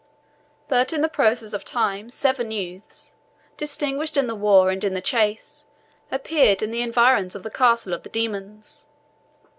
But in process of time seven youths, distinguished in the war and in the chase, appeared in the environs of the castle of the demons.